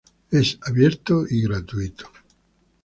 Es abierto y gratuito.